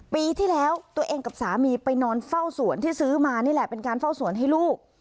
ปีที่แล้วตัวเองกับสามีไปนอนเฝ้าสวนที่ซื้อมานี่แหละเป็นการเฝ้าสวนให้ลูก